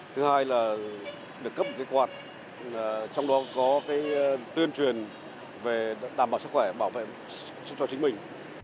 thứ hai là được cấp một cái quạt trong đó có cái tuyên truyền về đảm bảo sức khỏe bảo vệ cho chính mình